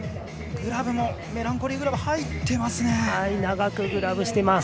グラブもメランコリーグラブ入ってますね。